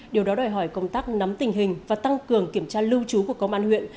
điều đó đòi hỏi công tác nắm tình hình và tăng cường kiểm tra lưu trú của công an huyện